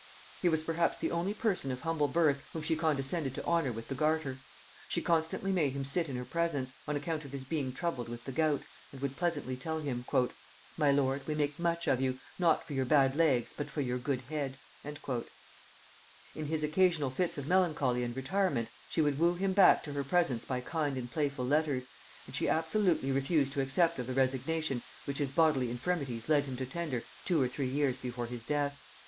He was perhaps the only person of humble birth whom she condescended to honor with the garter: she constantly made him sit in her presence, on account of his being troubled with the gout, and would pleasantly tell him, "My lord, we make much of you, not for your bad legs but your good head." In his occasional fits of melancholy and retirement, she would woo him back to her presence by kind and playful letters, and she absolutely refused to accept of the resignation which his bodily infirmities led him to tender two or three years before his death.